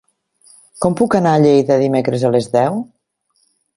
Com puc anar a Lleida dimecres a les deu?